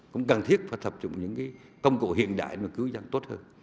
cũng cần thiết phải tập trung những công cụ hiện đại để mà cứu dân tốt hơn